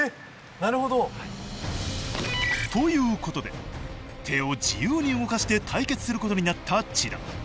なるほど。ということで手を自由に動かして対決することになった千田。